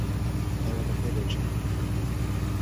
ئێوە لەکوێ دەژین؟